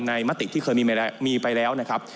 มติที่เคยมีไปแล้วนะครับ